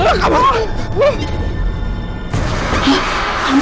jangan lepaskan saya